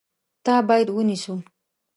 تا باید ونیسو !